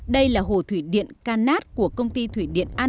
đây là hồ thủy điện canát của công ty thủy điện an